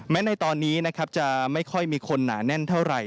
ในตอนนี้นะครับจะไม่ค่อยมีคนหนาแน่นเท่าไหร